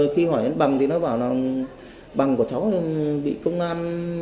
khi hỏi bằng thì nó bảo là bằng của cháu bị công an